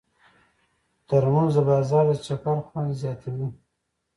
ترموز د بازار د چکر خوند زیاتوي.